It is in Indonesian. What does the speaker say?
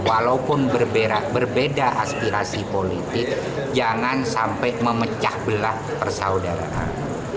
walaupun berbeda aspirasi politik jangan sampai memecah belah persaudaraan